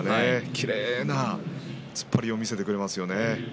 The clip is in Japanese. きれいな突っ張りを見せてくれますよね。